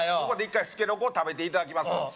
ここで一回助六を食べていただきます